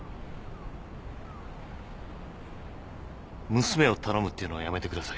「娘を頼む」っていうのはやめてください。